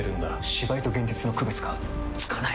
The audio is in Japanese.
芝居と現実の区別がつかない！